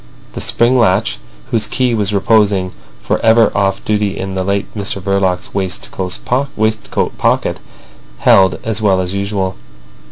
The spring latch, whose key was reposing for ever off duty in the late Mr Verloc's waistcoat pocket, held as well as usual.